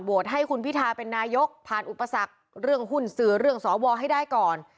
ให้คุณพิทาเป็นนายกผ่านอุปสรรคเรื่องหุ้นสื่อเรื่องสวให้ได้ก่อน